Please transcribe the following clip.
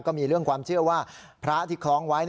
ก็มีเรื่องความเชื่อว่าพระที่คล้องไว้